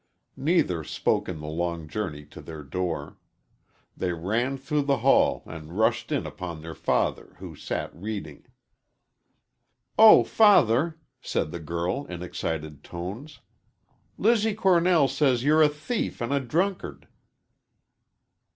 Neither spoke in the long journey to their door. They ran through the hall and rushed in upon their father who sat reading. "Oh, father!" said the girl, in excited tones; "Lizzie Cornell says you're a thief an' a drunkard."